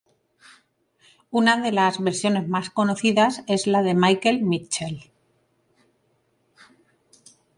Una de las versiones más conocidas es la de Michael Mitchell.